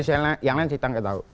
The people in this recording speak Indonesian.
cuma yang lain sita tidak tahu